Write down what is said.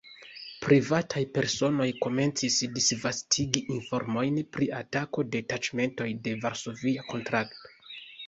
Privataj personoj komencis disvastigi informojn pri atako de taĉmentoj de Varsovia Kontrakto.